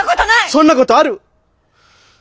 そんなことある！